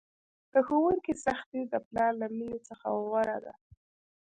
د ښوونکي سختي د پلار له میني څخه غوره ده!